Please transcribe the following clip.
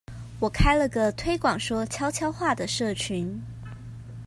我開了個推廣說悄悄話的社群